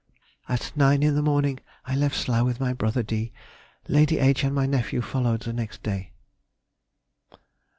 _—At 9 in the morning I left Slough with my brother D. Lady H. and my nephew followed the next day.